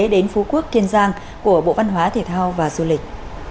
đến phú quốc kiên giang của bộ văn hóa thể thao và du lịch